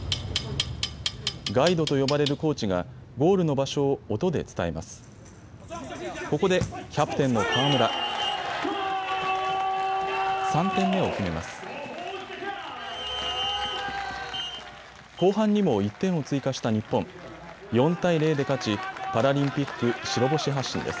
ガイドと呼ばれるコーチがゴールの場所を音で伝えます。